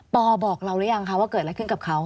ปอบอกเราหรือยังคะว่าเกิดอะไรขึ้นกับเขา